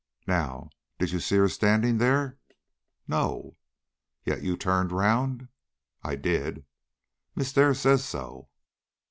"Now, did you see her standing there?" "No." "Yet you turned round?" "I did?" "Miss Dare says so."